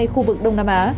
khu vực đông nam á